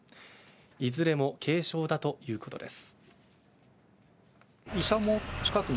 いずれも軽傷だということです。